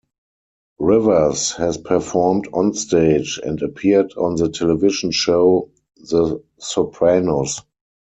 Rivers has performed onstage, and appeared on the television show "The Sopranos".